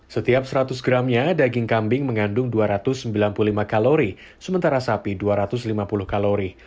setiap seratus gramnya daging kambing mengandung dua ratus sembilan puluh lima kalori sementara sapi dua ratus lima puluh kalori